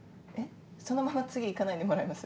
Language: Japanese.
そのまま次行かないでもらえます？